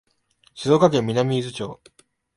静岡県南伊豆町